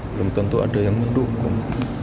belum tentu ada yang mendukung